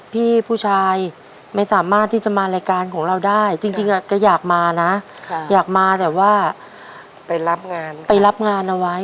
พี่ผู้ชายไม่สามารถที่จะมารายการของเราได้จริงแกอยากมานะอยากมาแต่ว่าไปรับงานไปรับงานเอาไว้